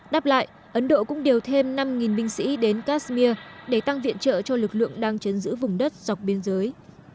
đáp lại ấn độ cũng điều thêm năm binh sĩ đến kashmir để tăng viện trợ cho lực lượng đang chấn giữ vùng đất dọc biên giới